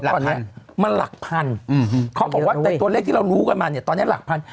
ตอนนี้มันหลักพันเขาบอกว่าในตัวเลขที่เรารู้กันมาเนี่ยตอนนี้หลักพัน